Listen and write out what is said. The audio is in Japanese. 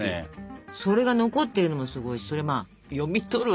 それが残ってるのもすごいし読み取る